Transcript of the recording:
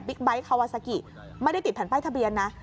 ไบท์คาวาซากิไม่ได้ติดแผ่นป้ายทะเบียนนะ